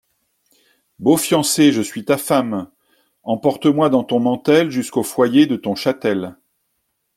Beau fiancé, je suis ta femme ; Emporte-moi dans ton mantel Jusqu'au foyer de ton chatel.